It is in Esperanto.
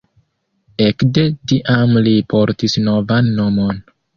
Ekde tiam li portis novan nomon.